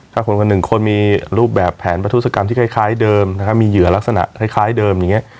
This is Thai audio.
ถ้าคนคนหนึ่งคนมีรูปแบบแผนประทุศกรรมที่คล้ายเดิมนะครับมีเหยื่อลักษณะคล้ายเดิมอย่างนี้